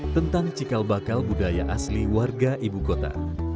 tentang cikal bakal budaya asli warga ibu kota